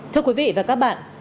thưa quý vị và các bạn